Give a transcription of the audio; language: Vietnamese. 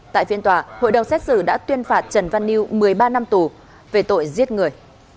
tại phiên tòa hội đồng xét xử đã tuyên phạt trần văn liêu một mươi ba năm tù về tội giết người